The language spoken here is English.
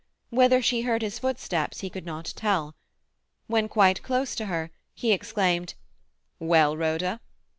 Whether she heard his footsteps he could not tell. When quite close to her, he exclaimed,— "Well, Rhoda?"